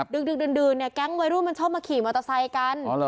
ดึกดื่นเนี่ยแก๊งวัยรุ่นมันชอบมาขี่มอเตอร์ไซค์กัน